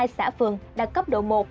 ba trăm ba mươi hai xã phường đạt cấp độ một